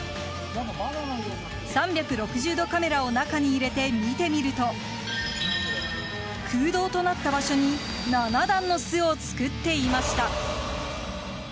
３６０度カメラを中に入れて見てみると空洞となった場所に７段の巣を作っていました。